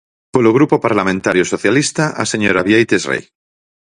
Polo Grupo Parlamentario Socialista, a señora Bieites Rei.